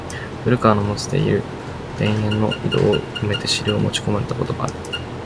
古川の持つて居る田圃の井戸を埋めて尻を持ち込まれた事もある。